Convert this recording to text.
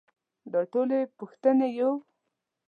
دا ټولې پوښتنې يو.